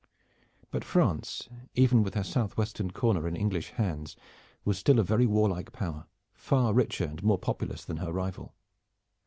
But France, even with her southwestern corner in English hands, was still a very warlike power, far richer and more populous than her rival.